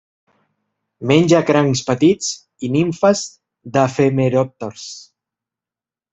Menja crancs petits i nimfes d'efemeròpters.